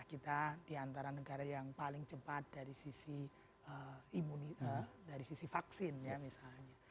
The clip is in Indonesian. kita diantara negara yang paling cepat dari sisi imun dari sisi vaksin ya misalnya